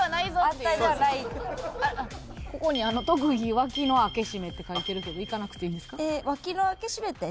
ここに「特技脇の開け閉め」って書いてるけどいかなくていいんですか？